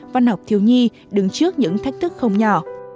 văn học thiếu nhi đứng trước những thách thức không nhỏ